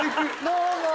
どうも。